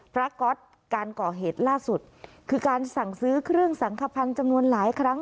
ก๊อตการก่อเหตุล่าสุดคือการสั่งซื้อเครื่องสังขพันธ์จำนวนหลายครั้ง